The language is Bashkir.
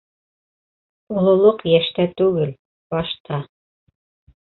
Ололоҡ йәштә түгел, башта.